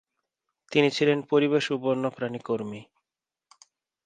তিনি ছিলেন পরিবেশ ও বন্যপ্রাণী কর্মী।